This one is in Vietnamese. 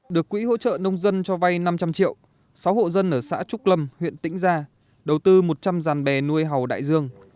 được quỹ hỗ trợ nông dân cho vay năm trăm linh triệu sáu hộ dân ở xã trúc lâm huyện tĩnh gia đầu tư một trăm linh ràn bè nuôi hầu đại dương